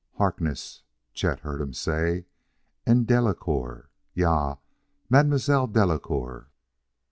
"Harkness," Chet heard him say, and, " Delacouer ja! Mam'selle Delacouer!"